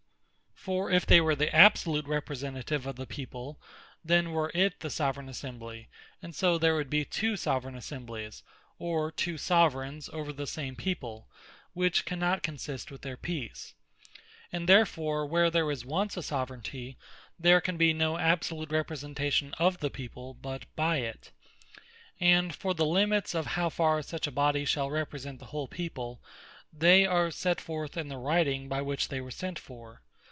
For if they were the absolute Representative of the people, then were it the Soveraign Assembly; and so there would be two Soveraign Assemblies, or two Soveraigns, over the same people; which cannot consist with their Peace. And therefore where there is once a Soveraignty, there can be no absolute Representation of the people, but by it. And for the limits of how farre such a Body shall represent the whole People, they are set forth in the Writing by which they were sent for.